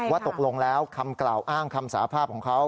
ว่าตกลงแล้วคำกล่าวอ้างคำสาภาพของเขา